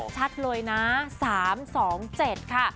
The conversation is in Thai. ชัดเลยนะ๓๒๗ค่ะ